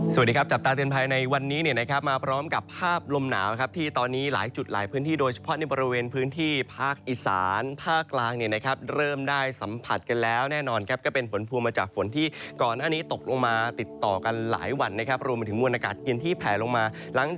สวัสดีครับจับตาเตือนภัยในวันนี้เนี่ยนะครับมาพร้อมกับภาพลมหนาวนะครับที่ตอนนี้หลายจุดหลายพื้นที่โดยเฉพาะในบริเวณพื้นที่ภาคอีสานภาคกลางเนี่ยนะครับเริ่มได้สัมผัสกันแล้วแน่นอนครับก็เป็นผลพวงมาจากฝนที่ก่อนหน้านี้ตกลงมาติดต่อกันหลายวันนะครับรวมไปถึงมวลอากาศเย็นที่แผลลงมาหลังจาก